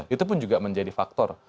itu pun juga menjadi faktor